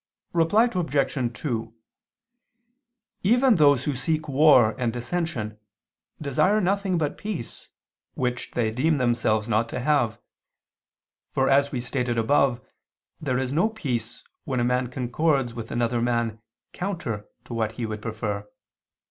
Reply Obj. 2: Even those who seek war and dissension, desire nothing but peace, which they deem themselves not to have. For as we stated above, there is no peace when a man concords with another man counter to what he would prefer.